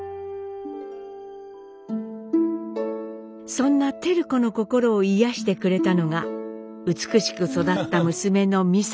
そんな照子の心を癒やしてくれたのが美しく育った娘の美佐子。